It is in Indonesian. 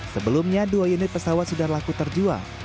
sebelumnya dua unit pesawat sudah laku terjual